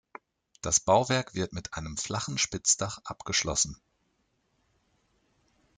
Das Bauwerk wird mit einem flachen Spitzdach abgeschlossen.